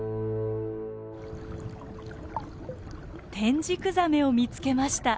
テンジクザメを見つけました。